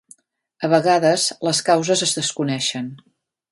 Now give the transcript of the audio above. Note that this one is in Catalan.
A vegades les causes es desconeixen.